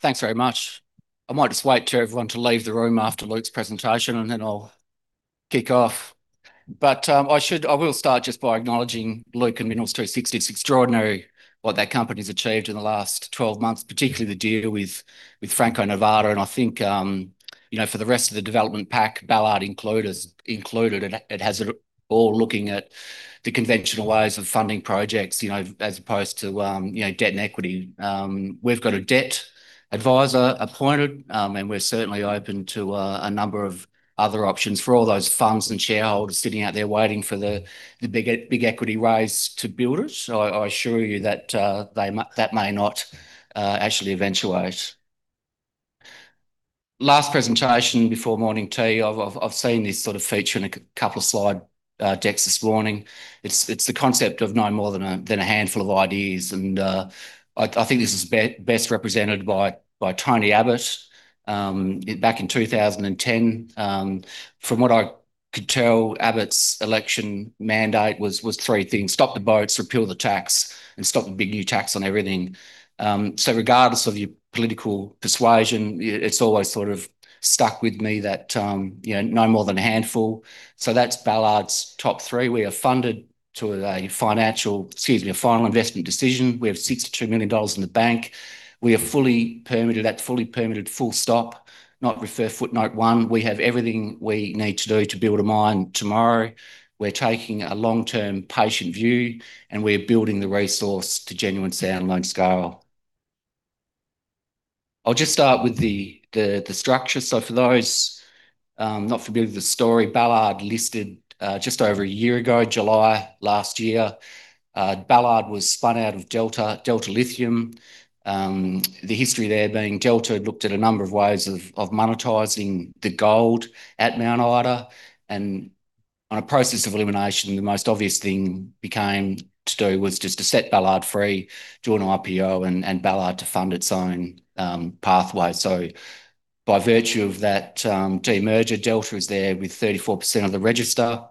Thanks very much. I might just wait for everyone to leave the room after Luke's presentation, then I'll kick off. I will start just by acknowledging Luke and Minerals 260. It's extraordinary what that company's achieved in the last 12 months, particularly the deal with Franco-Nevada. I think, for the rest of the development pack, Ballard included, it has it all looking at the conventional ways of funding projects, as opposed to debt and equity. We've got a debt advisor appointed, and we're certainly open to a number of other options. For all those funds and shareholders sitting out there waiting for the big equity raise to build it, I assure you that that may not actually eventuate. Last presentation before morning tea, I've seen this sort of feature in a couple of slide decks this morning. It's the concept of no more than a handful of ideas, and I think this is best represented by Tony Abbott back in 2010. From what I could tell, Abbott's election mandate was three things: stop the boats, repeal the tax, and stop the big new tax on everything. Regardless of your political persuasion, it's always sort of stuck with me that no more than a handful. That's Ballard's top three. We are funded to a financial excuse me, a final investment decision. We have 62 million dollars in the bank. We are fully permitted. That's fully permitted, full stop. Not refer footnote one. We have everything we need to do to build a mine tomorrow. We're taking a long-term patient view, and we're building the resource to genuine standalone scale. I'll just start with the structure. For those not familiar with the story, Ballard listed just over a year ago, July last year. Ballard was spun out of Delta Lithium. The history there being Delta had looked at a number of ways of monetizing the gold at Mount Ida. On a process of elimination, the most obvious thing became to do was just to set Ballard free, do an IPO, and Ballard to fund its own pathway. By virtue of that demerger, Delta is there with 34% of the register.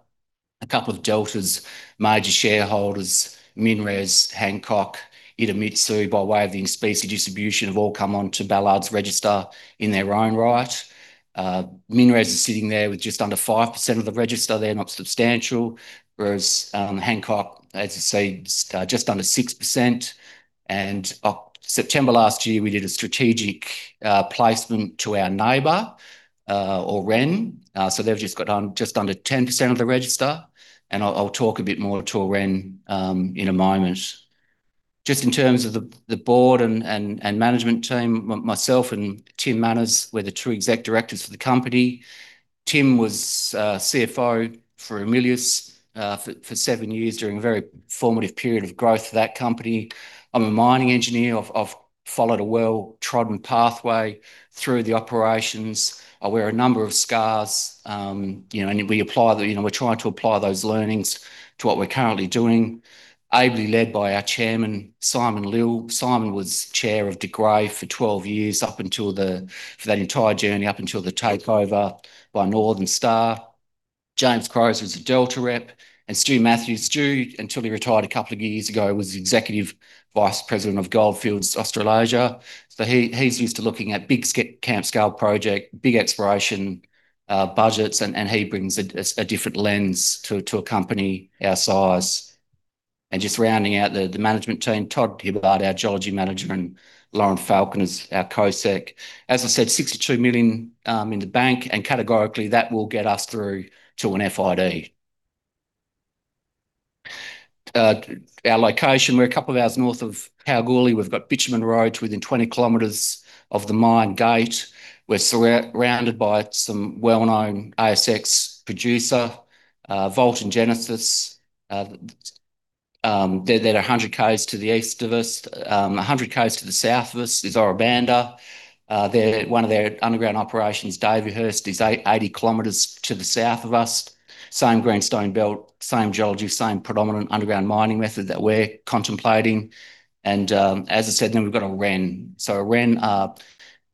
A couple of Delta's major shareholders, MinRes, Hancock, Idemitsu, by way of the in specie distribution, have all come on to Ballard's register in their own right. MinRes is sitting there with just under 5% of the register. They're not substantial. Whereas Hancock, as I say, just under 6%. September last year, we did a strategic placement to our neighbor, Aurenne. They've just got just under 10% of the register. I'll talk a bit more to Aurenne in a moment. Just in terms of the board and management team, myself and Tim Manners, we're the two Exec Directors for the company. Tim was CFO for Ramelius for seven years during a very formative period of growth for that company. I'm a mining engineer. I've followed a well-trodden pathway through the operations. I wear a number of scars, and we're trying to apply those learnings to what we're currently doing, ably led by our Chairman, Simon Lill. Simon was Chair of De Grey for 12 years for that entire journey up until the takeover by Northern Star. James Crowe was a Delta rep, and Stu Mathews. Stu, until he retired a couple of years ago, was Executive Vice President of Gold Fields Australasia. He's used to looking at big camp scale project, big exploration budgets, and he brings a different lens to a company our size. Just rounding out the management team, Todd Hibberd, our Geology Manager, and Lauren Faulkner is our Co-Sec. As I said, 62 million in the bank, categorically, that will get us through to an FID. Our location, we're a couple of hours North of Kalgoorlie. We've got bitumen roads within 20 km of the mine gate. We're surrounded by some well-known ASX producer, Vault and Genesis. They're 100 km to the East of us. 100 km to the South of us is Ora Banda. One of their underground operations, Davyhurst, is 80 km to the South of us. Same greenstone belt, same geology, same predominant underground mining method that we're contemplating. As I said, we've got Aurenne. Aurenne are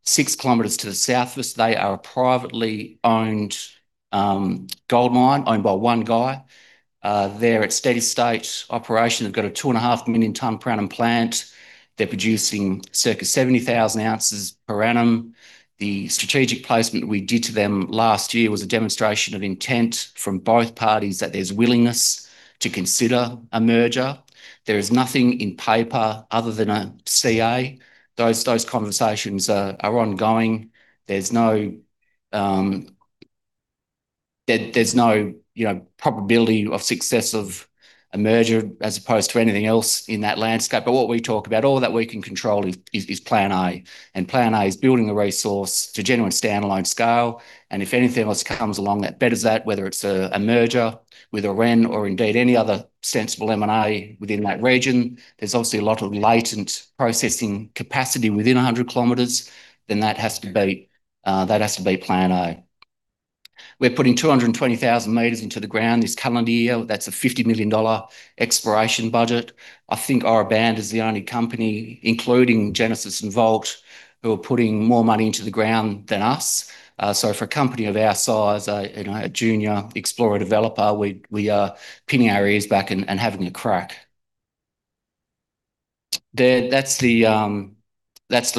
6 km to the South of us. They are a privately owned gold mine, owned by one guy. They're a steady state operation. They've got a 2.5 million tonne per annum plant. They're producing circa 70,000 oz per annum. The strategic placement we did to them last year was a demonstration of intent from both parties that there's willingness to consider a merger. There is nothing in paper other than a CA. Those conversations are ongoing. There's no probability of success of a merger as opposed to anything else in that landscape. What we talk about, all that we can control is plan A. Plan A is building the resource to genuine standalone scale. If anything else comes along that betters that, whether it's a merger with Aurenne or indeed any other sensible M&A within that region, there's obviously a lot of latent processing capacity within 100 km, then that has to be plan A. We're putting 220,000 m into the ground this calendar year. That's an 50 million dollar exploration budget. I think Ora Banda is the only company, including Genesis and Vault, who are putting more money into the ground than us. For a company of our size, a junior explorer developer, we are pinning our ears back and having a crack. That's the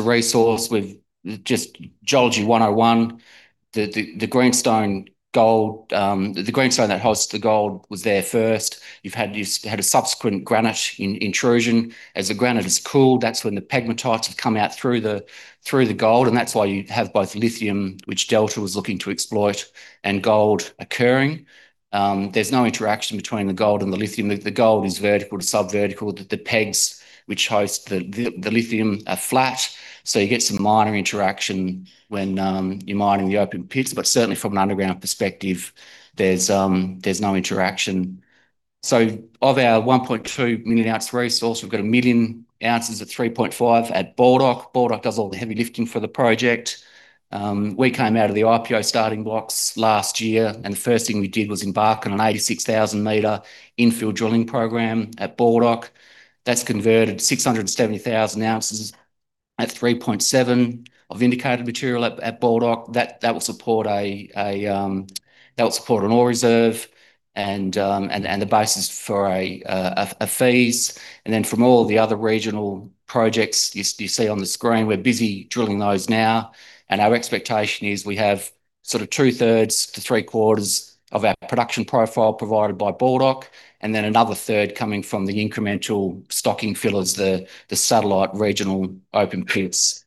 resource with just Geology 101. The greenstone gold, the greenstone that hosts the gold was there first. You've had a subsequent granite intrusion. As the granite has cooled, that's when the pegmatites have come out through the gold, and that's why you have both lithium, which Delta was looking to exploit, and gold occurring. There's no interaction between the gold and the lithium. The gold is vertical to subvertical. The pegs which host the lithium are flat, so you get some minor interaction when you're mining the open pits. Certainly from an underground perspective, there's no interaction. Of our 1.2 million ounce resource, we've got 1 million ounces at 3.5 at Baldock. Baldock does all the heavy lifting for the project. We came out of the IPO starting blocks last year, the first thing we did was embark on an 86,000 m infill drilling program at Baldock. That's converted 670,000 oz at 3.7 of indicated material at Baldock. That will support an ore reserve and the basis for an FS. From all the other regional projects you see on the screen, we're busy drilling those now. Our expectation is we have sort of two thirds to three quarters of our production profile provided by Baldock and then another third coming from the incremental stocking fillers, the satellite regional open pits.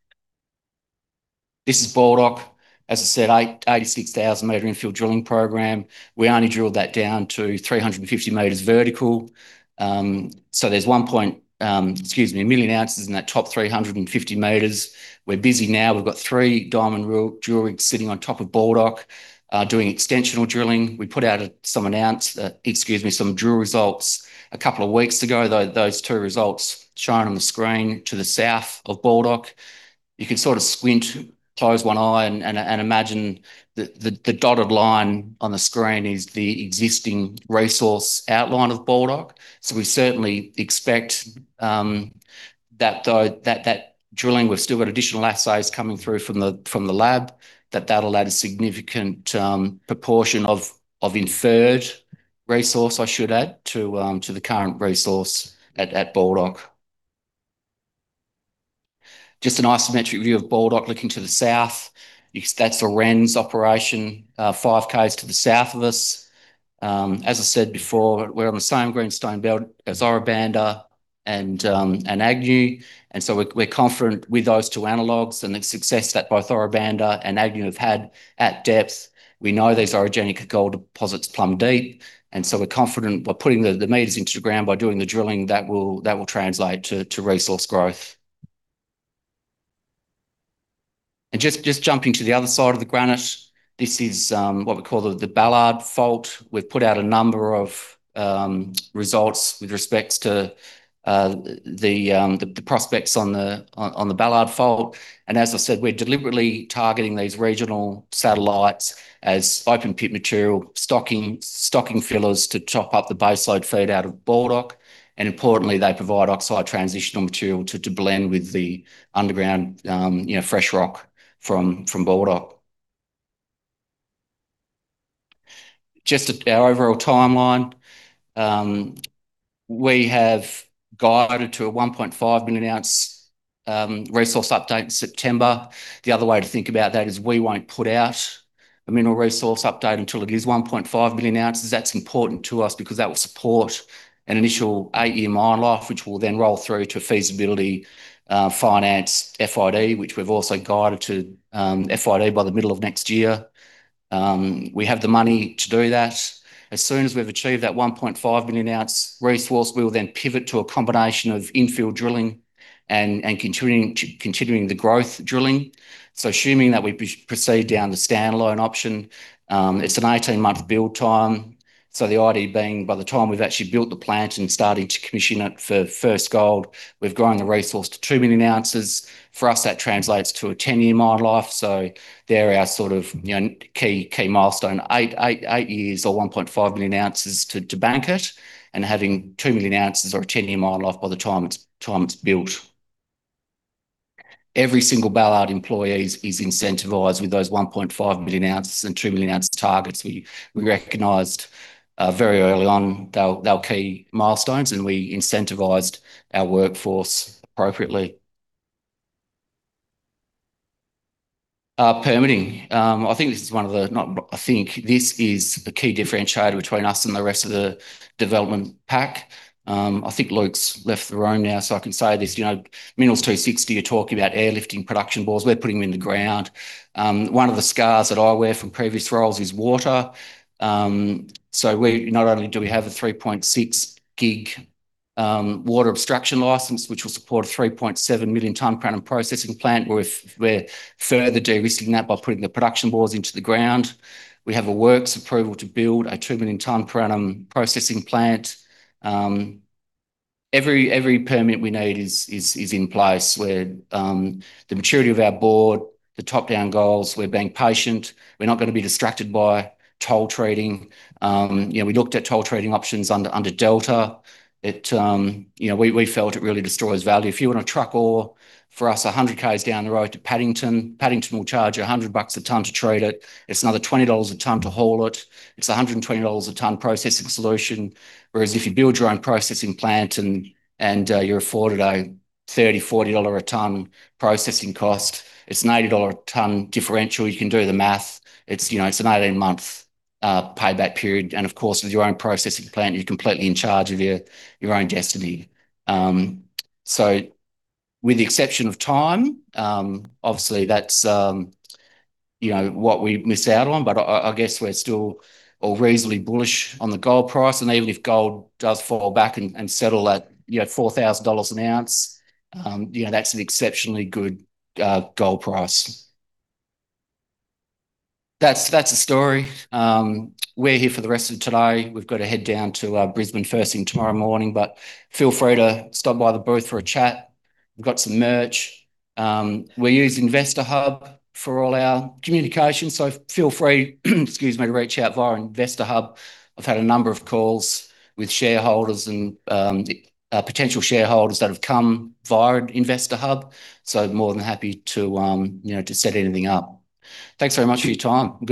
This is Baldock. As I said, 86,000 m infill drilling program. We only drilled that down to 350 m vertical. There's 1 million ounces in that top 350 m. We're busy now. We've got three diamond drill rigs sitting on top of Baldock, doing extensional drilling. We put out some drill results a couple of weeks ago, those two results shown on the screen to the South of Baldock. You can sort of squint, close one eye and imagine the dotted line on the screen is the existing resource outline of Baldock. We certainly expect that though, that drilling, we've still got additional assays coming through from the lab, that'll add a significant proportion of inferred resource, I should add, to the current resource at Baldock. Just an isometric view of Baldock looking to the South. That's Aurenne's operation, 5 km to the South of us. As I said before, we're on the same greenstone belt as Ora Banda and Agnew, we're confident with those two analogs and the success that both Ora Banda and Agnew have had at depth. We know these orogenic gold deposits plumb deep, we're confident by putting the meters into the ground, by doing the drilling that will translate to resource growth. Just jumping to the other side of the granite. This is what we call the Ballard Fault. We've put out a number of results with respects to the prospects on the Ballard Fault. As I said, we're deliberately targeting these regional satellites as open pit material stocking fillers to top up the baseload feed out of Baldock. Importantly, they provide oxide transitional material to blend with the underground fresh rock from Baldock. Just our overall timeline. We have guided to a 1.5 million ounce resource update in September. The other way to think about that is we won't put out a mineral resource update until it is 1.5 million ounces. That's important to us because that will support an initial eight-year mine life, which will then roll through to feasibility finance FID, which we've also guided to FID by the middle of next year. We have the money to do that. As soon as we've achieved that 1.5 million ounce resource, we'll then pivot to a combination of infill drilling and continuing the growth drilling. Assuming that we proceed down the standalone option, it's an 18-month build time. The idea being by the time we've actually built the plant and starting to commission it for first gold, we've grown the resource to 2 million ounces. For us, that translates to a 10-year mine life. They're our sort of key milestone, eight years or 1.5 million ounces to bank it and having 2 million ounces or a 10-year mine life by the time it's built. Every single Ballard employee is incentivized with those 1.5 million ounces and 2 million ounce targets. We recognized very early on they were key milestones, we incentivized our workforce appropriately. Permitting. I think this is one of the Not I think. This is the key differentiator between us and the rest of the development pack. I think Luke's left the room now, so I can say this. Minerals 260 are talking about airlifting production bores. We're putting them in the ground. One of the scars that I wear from previous roles is water. Not only do we have a 3.6 gig water abstraction license, which will support a 3.7 million tonne per annum processing plant. We're further de-risking that by putting the production bores into the ground. We have a works approval to build a 2 million tonne per annum processing plant. Every permit we need is in place. The maturity of our board, the top-down goals. We're being patient. We're not going to be distracted by toll treating. We looked at toll treating options under Delta. We felt it really destroys value. If you want to truck ore for us 100 km down the road to Paddington will charge you 100 bucks a tonne to treat it. It's another 20 dollars a tonne to haul it. It's an 120 dollars a tonne processing solution. Whereas if you build your own processing plant and you're afforded an AUD 30, AUD 40 a tonne processing cost, it's an 80 dollar a tonne differential. You can do the math. It's an 18-month payback period. Of course, with your own processing plant, you're completely in charge of your own destiny. With the exception of time, obviously that's what we miss out on. I guess we're still all reasonably bullish on the gold price. Even if gold does fall back and settle at 4,000 dollars an ounce, that's an exceptionally good gold price. That's the story. We're here for the rest of today. We've got to head down to Brisbane first thing tomorrow morning, but feel free to stop by the booth for a chat. We've got some merch. We use InvestorHub for all our communication, so feel free, excuse me, to reach out via InvestorHub. I've had a number of calls with shareholders and potential shareholders that have come via InvestorHub. More than happy to set anything up. Thanks very much for your time. Good day